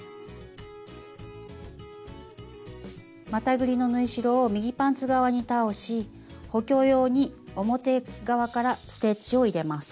またぐりの縫い代を右パンツ側に倒し補強用に表側からステッチを入れます。